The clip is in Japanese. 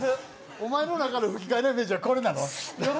お前の中の吹き替えのイメージこれなの。